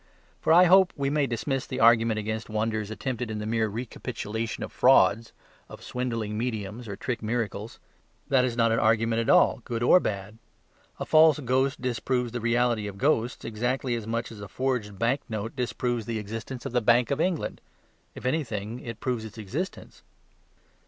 For I hope we may dismiss the argument against wonders attempted in the mere recapitulation of frauds, of swindling mediums or trick miracles. That is not an argument at all, good or bad. A false ghost disproves the reality of ghosts exactly as much as a forged banknote disproves the existence of the Bank of England if anything, it proves its existence.